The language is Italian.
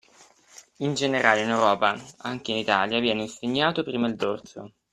In generale in Europa (anche in Italia) viene insegnato primo il dorso